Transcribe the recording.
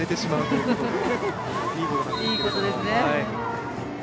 いいことですね。